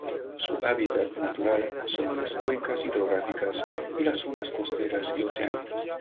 Su hábitat natural son las cuencas hidrográficas y las zonas costeras y oceánicas.